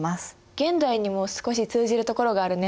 現代にも少し通じるところがあるね。